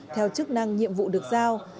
theo chức năng nhiệm vụ được giao